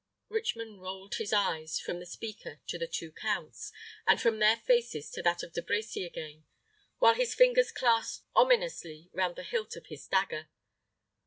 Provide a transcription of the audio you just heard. Richmond rolled his eyes from the speaker to the two counts, and from their faces to that of De Brecy again, while his fingers clasped ominously round the hilt of his dagger.